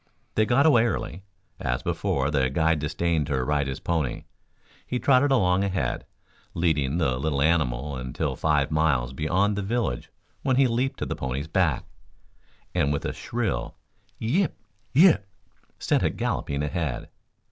They got away early. As before, the guide disdained to ride his pony. He trotted along ahead, leading the little animal until some five miles beyond the village when he leaped to the pony's back, and with a shrill "Yip, yip!" sent it galloping ahead.